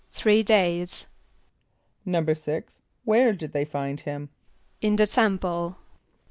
=Three days.= =6.= Where did they find him? =In the Temple.